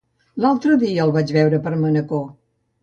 L'altre dia el vaig veure per Manacor.